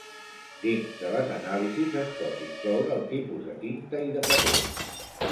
Dins de les anàlisis es pot incloure el tipus de tinta i de paper.